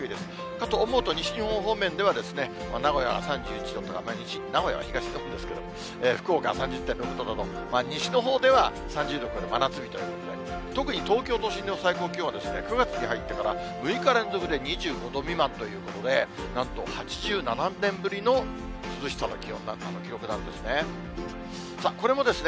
かと思うと、西日本方面では、名古屋は３１度とか、名古屋は東日本ですけれども、福岡３０．６度と、西のほうでは３０度を超えて真夏日ということで、特に東京都心の最高気温は、９月に入ってから、６日連続で２５度未満ということで、なんと８７年ぶりの涼しさの記録なんですね。